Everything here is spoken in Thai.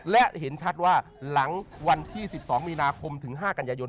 และเห็นชัดว่าหลังวันที่๑๒มีนาคมถึง๕กันยายน